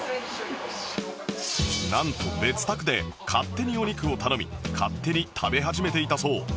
なんと別卓で勝手にお肉を頼み勝手に食べ始めていたそう